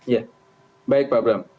ya baik pak bram